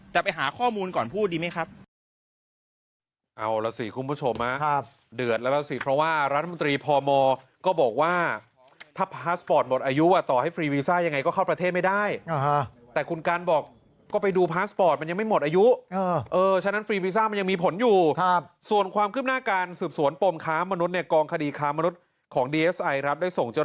แต่ไปหาข้อมูลก่อนพูดดีไหมครับ